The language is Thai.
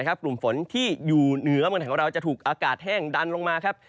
กลุ่มฝนที่อยู่เหนือเมืองไทยของเราจะถูกอากาศแห้งดันลงมาครับ